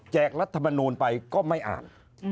รัฐมนูลไปก็ไม่อ่าน